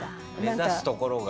目指すところが？